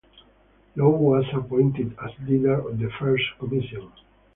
Low was appointed as leader the first Commission.